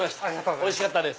おいしかったです。